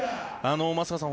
松坂さん